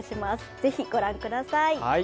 ぜひご覧ください。